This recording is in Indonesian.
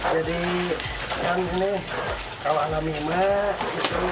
jadi kan ini kalau alami mah